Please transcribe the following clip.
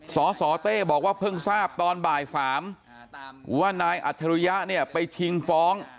สสเต้บอกว่าเพิ่งทราบตอนบ่าย๓ว่านายอัจฉริยะเนี่ยไปชิงฟ้อง